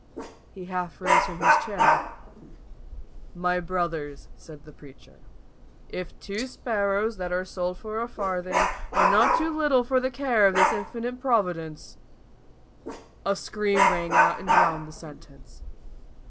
He half rose from his chair. "My brothers," said the preacher, "if two sparrows, that are sold for a farthing, are not too little for the care of this infinite Providence " A scream rang out and drowned the sentence.